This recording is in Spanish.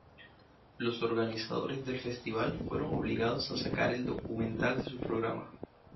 Los organizadores del festival fueron obligados a sacar el documental de su programa.